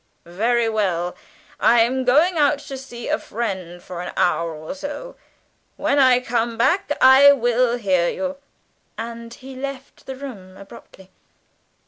"Very well, I am going out to see a friend for an hour or so when I come back I will hear you," and he left the room abruptly.